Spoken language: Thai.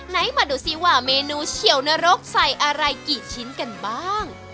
ไหนมาดูซิว่าเมนูเฉียวนรกใส่อะไรกี่ชิ้นกันบ้าง